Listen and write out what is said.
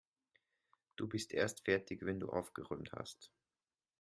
Du bist erst fertig, wenn du aufgeräumt hast.